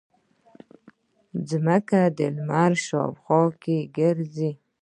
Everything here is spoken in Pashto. ځمکه د لمر شاوخوا ګرځي